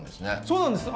そうなんです。